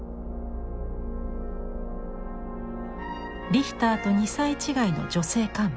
リヒターと２歳違いの女性幹部。